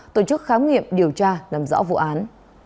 tổ chức khám nghiệm điều tra làm rõ vụ án